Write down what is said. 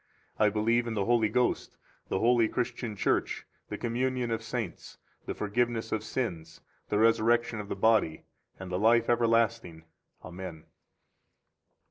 I believe in the Holy Ghost, the holy Christian Church, the communion of saints, the forgiveness of sins, the resurrection of the body, and the life everlasting. Amen.